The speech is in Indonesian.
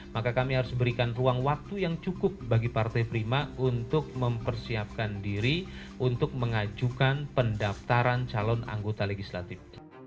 maka kami harus berikan ruang waktu yang cukup bagi partai prima untuk mempersiapkan diri untuk mengajukan pendaftaran calon anggota legislatif